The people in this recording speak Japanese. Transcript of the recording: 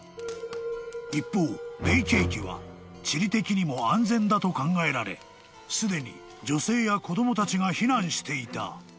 ［一方明景家は地理的にも安全だと考えられすでに女性や子供たちが避難していた］